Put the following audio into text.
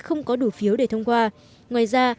không có đủ phiếu để thông qua ngoài ra